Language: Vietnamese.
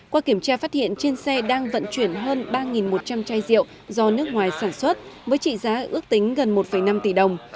qua kiểm tra phát hiện trên xe đang vận chuyển hơn ba một trăm linh chai rượu do nước ngoài sản xuất với trị giá ước tính gần một năm tỷ đồng